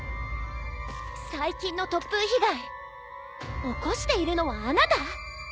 最近の突風被害起こしているのはあなた？